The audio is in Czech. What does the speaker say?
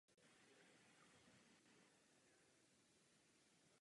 Jejich barva je červená s černými skvrnami.